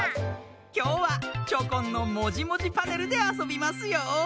きょうはチョコンの「もじもじパネル」であそびますよ。